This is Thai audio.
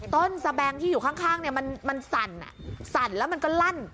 สแบงที่อยู่ข้างเนี่ยมันสั่นสั่นแล้วมันก็ลั่น